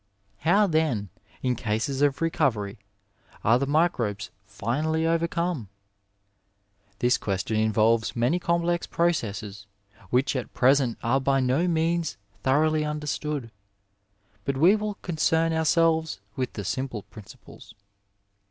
How, then, in cases of recovery, are the microbes finally overcome ? This question involves many complex processes which at present are by no means thoroughly understood, but we will concern ourselves with the simple principles.